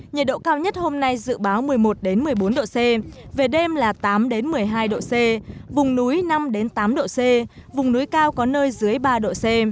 nhiệt độ cao nhất hôm nay dự báo một mươi một một mươi bốn độ c về đêm là tám một mươi hai độ c vùng núi năm tám độ c vùng núi cao có nơi dưới ba độ c